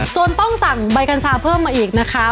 ต้องสั่งใบกัญชาเพิ่มมาอีกนะคะ